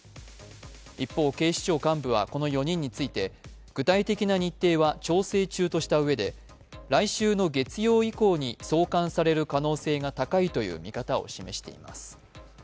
一方、警視庁幹部はこの４人について具体的な日程は調整中としたうえで来週の月曜以降に送還される可能性が高いという見方を示しています。